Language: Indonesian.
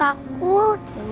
bapak aku takut